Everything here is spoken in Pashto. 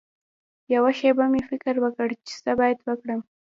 یوه شېبه مې فکر وکړ چې څه باید وکړم.